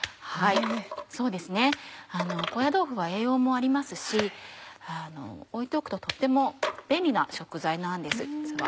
そうですね高野豆腐は栄養もありますし置いておくととっても便利な食材なんです実は。